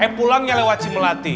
eh pulangnya lewat cimelati